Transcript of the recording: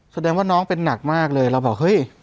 แสดงว่าน้องเป็นนักมากเลย